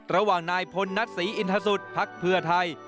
ระหว่างนายพลนัทศรีอินทศุษย์พรรคเพื่อไทย